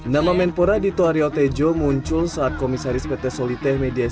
nama menpora dito aryo tejo muncul saat komisaris pt soliteh media